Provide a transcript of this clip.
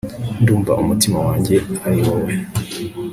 ndumva umutima wanjye ariwowe